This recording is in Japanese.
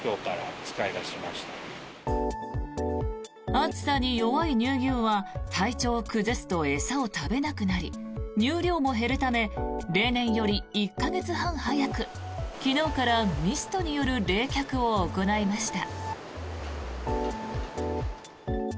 暑さに弱い乳牛は体調を崩すと餌を食べなくなり乳量も減るため例年より１か月半早く昨日からミストによる冷却を行いました。